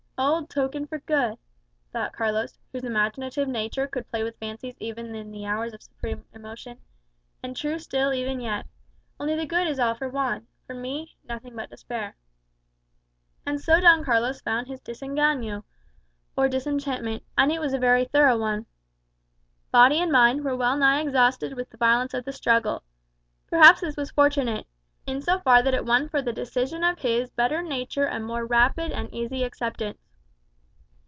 "Old token for good," thought Carlos, whose imaginative nature could play with fancies even in the hours of supreme emotion. "And true still even yet. Only the good is all for Juan; for me nothing but despair." And so Don Carlos found his "desengãno," or disenchantment, and it was a very thorough one. Body and mind were well nigh exhausted with the violence of the struggle. Perhaps this was fortunate, in so far that it won for the decision of his better nature a more rapid and easy acceptance.